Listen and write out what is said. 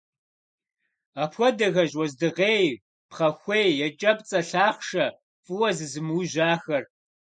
Апхуэдэхэщ уэздыгъей, пхъэхуей, екӀэпцӀэ лъахъшэ, фӀыуэ зызымыужьахэр.